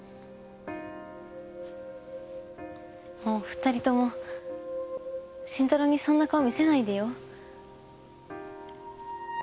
もう２人とも慎太郎にそんな顔見せないでよ？